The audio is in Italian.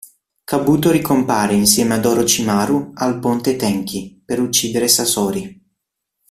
Kabuto ricompare, insieme ad Orochimaru, al Ponte Tenchi, per uccidere Sasori.